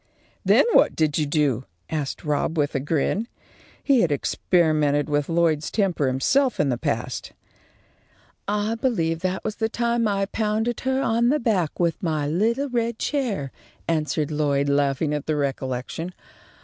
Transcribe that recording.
"Then what did you do?" asked Rob, with a grin. He had experimented with Lloyd's temper himself in the past. "I believe that that was the time I pounded her on the back with my little red chair," answered Lloyd, laughing at the recollection.